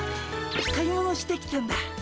買い物してきたんだ。